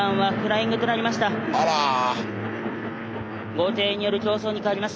５艇による競走に変わります。